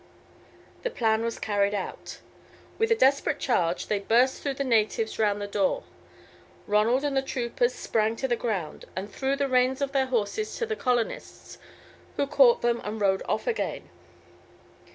The plan was carried out. With a desperate charge they burst through the natives round the door. Ronald and the troopers sprang to the ground, and threw the reins of their horses to the colonists who caught them and rode off again.